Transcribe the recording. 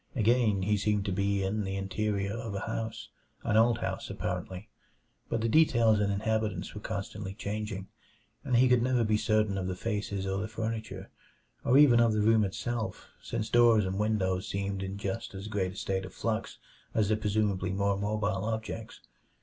Again he seemed to be in the interior of a house an old house, apparently but the details and inhabitants were constantly changing, and he could never be certain of the faces or the furniture, or even of the room itself, since doors and windows seemed in just as great a state of flux as the presumably more mobile objects.